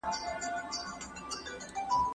د کارګرانو لپاره باید د بیمې سیسټم شتون ولري.